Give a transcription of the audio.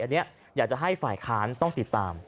อันนี้อยากจะให้ฝ่ายค้านต้องติดตาม